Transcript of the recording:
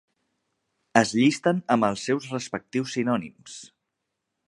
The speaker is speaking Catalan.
Es llisten amb els seus respectius sinònims.